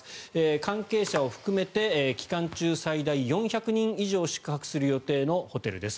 関係者を含めて期間中、最大４００人以上宿泊する予定のホテルです。